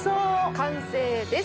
完成です。